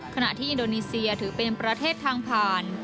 ขณะที่อินโดนีเซียถือเป็นประเทศทางผ่าน